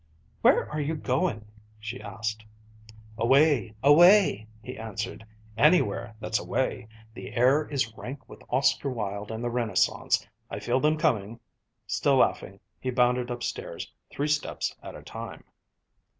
"Where are you going?" she asked. "Away! Away!" he answered. "Anywhere that's away. The air is rank with Oscar Wilde and the Renaissance. I feel them coming." Still laughing, he bounded upstairs, three steps at a time.